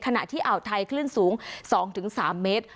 ขณะที่อ่าวไทยคลื่นสูง๒๓เมตร